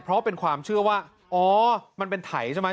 เพราะเป็นความเชื่อว่าอ๋อมันเป็นไถใช่ไหม